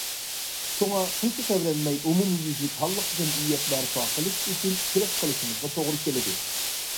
شۇڭا قىلچە تەۋرەنمەي ئومۇميۈزلۈك ھاللىق جەمئىيەت بەرپا قىلىش ئۈچۈن كۈرەش قىلىشىمىزغا توغرا كېلىدۇ.